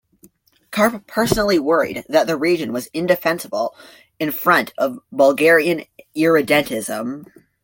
Carp personally worried that the region was indefensible in front of Bulgarian irredentism.